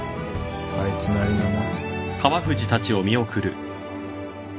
あいつなりのな。